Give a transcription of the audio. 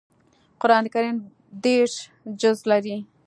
قران کریم دېرش جزء لري